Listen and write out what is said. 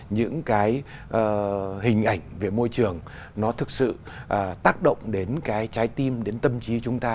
những cái hình ảnh về môi trường nó thực sự tác động đến cái trái tim đến tâm trí chúng ta